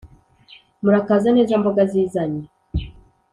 murakaza neza mboga zizanye